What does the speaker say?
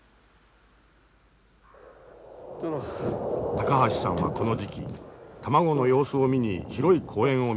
高橋さんはこの時期卵の様子を見に広い公園を見回る。